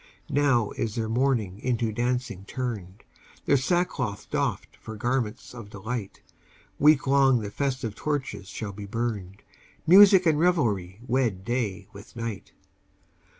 Now is their mourning into dancing turned, Their sackcloth doffed for garments of delight, Week long the festive torches shall be burned, Music and revelry wed day with night.